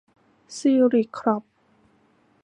ซีลิค คอร์พ